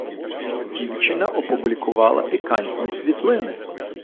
Дівчина опублікувала пікантні світлини.